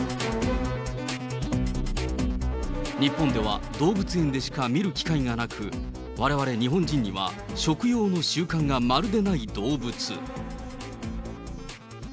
日本では動物園でしか見る機会がなく、われわれ日本人には食用の習慣がまるでない動物。